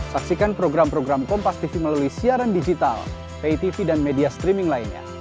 saksikan program program kompastv melalui siaran digital pitv dan media streaming lainnya